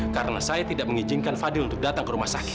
karena saya tidak mengizinkan fadil untuk datang ke rumah sakit